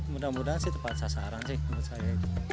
mudah mudahan sih tepat sasaran sih menurut saya